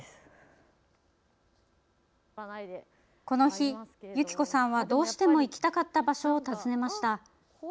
この日、由起子さんはどうしても行きたかった場所を訪ねました。